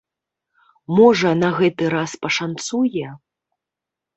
Можа, на гэты раз пашанцуе?